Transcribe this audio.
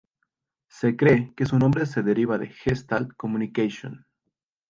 Se cree que su nombre se deriva de "Gestalt Communication".